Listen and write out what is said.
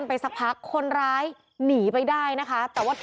นำนำนำนำนำ